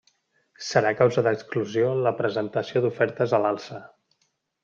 Serà causa d'exclusió la presentació d'ofertes a l'alça.